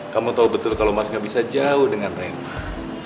kamu tahu betul kalau mas gak bisa jauh dengan rema